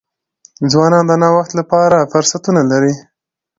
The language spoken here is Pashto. ځوانان د نوښت لپاره فرصتونه لري.